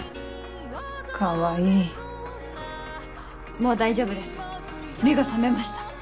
もう大丈夫です目が覚めました。